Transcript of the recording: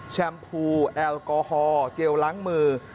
แชมพูแอลกอฮอลเจลล้างมือ